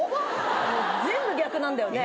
全部逆なんだよね。